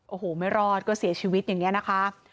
โอ้โหไม่รอดก็เสียชีวิตอย่างนี้นะคะ